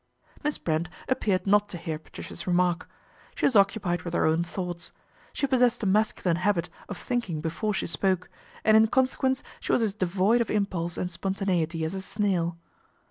Miss Brent appeared not to hear Patricia's remark. She was occupied with her own thoughts. She possessed a masculine habit of thinking before she spoke, and in consequence she was as devoid of impulse and spontaneity as a snail.